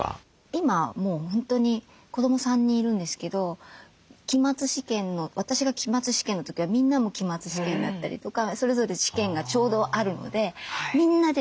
今もう本当に子ども３人いるんですけど私が期末試験の時はみんなも期末試験だったりとかそれぞれ試験がちょうどあるのでみんなで勉強するんですよ。